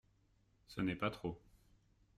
Ce n'est pas trop.